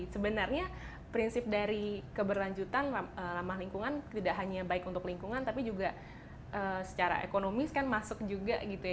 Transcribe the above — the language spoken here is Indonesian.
sebenarnya prinsip dari keberlanjutan ramah lingkungan tidak hanya baik untuk lingkungan tapi juga secara ekonomis kan masuk juga gitu ya